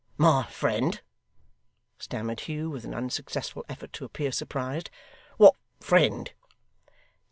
'My friend!' stammered Hugh, with an unsuccessful effort to appear surprised. 'What friend?